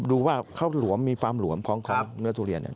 ดูว่ามีความหลวมของเนื้อตุเรียน